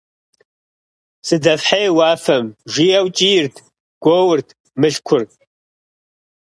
«Сыдэфхьей уафэм!» - жиӀэу кӀийрт, гуоурт Мылъкур.